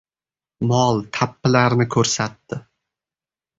Mol tappilarni ko‘rsatdi.